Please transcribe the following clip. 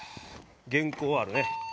原稿あるね。